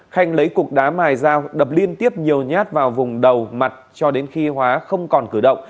khanh lấy cục đá mài dao đập liên tiếp nhiều nhát vào vùng đầu mặt cho đến khi hóa không còn cử động